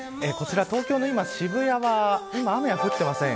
東京の渋谷は今、雨は降っていません。